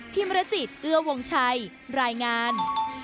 มรจิตเอื้อวงชัยรายงาน